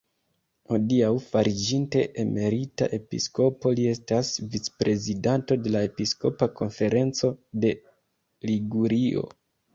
Hodiaŭ, fariĝinte emerita episkopo, li estas vicprezidanto de la "Episkopa konferenco de Ligurio".